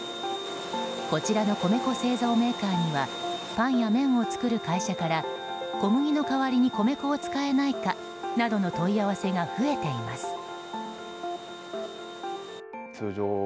こちらの米粉製造メーカーにはパンや麺を作る会社から小麦の代わりに米粉を使えないかなどの問い合わせが増えています。